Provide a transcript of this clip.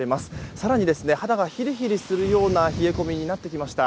更に、肌がひりひりするような冷え込みになってきました。